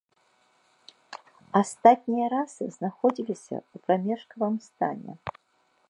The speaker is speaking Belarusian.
Астатнія расы знаходзіліся ў прамежкавым стане.